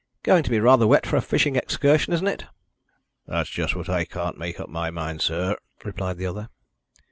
"Going to be rather wet for a fishing excursion, isn't it?" "That's just what I can't make up my mind, sir," replied the other.